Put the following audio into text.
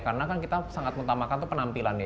karena kan kita sangat muntah makan itu penampilan ya